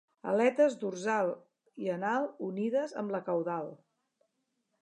Aletes dorsal i anal unides amb la caudal.